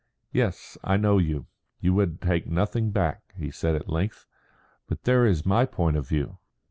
"Yes, I know you. You would take nothing back," he said at length. "But there is my point of view."